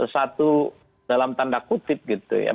satu dalam tanda kutip gitu ya